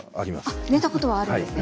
あ寝たことはあるんですね。